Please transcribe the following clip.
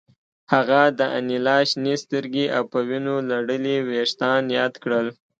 هغه د انیلا شنې سترګې او په وینو لړلي ویښتان یاد کړل